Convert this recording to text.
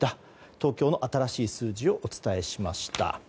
東京の新しい数字をお伝えしました。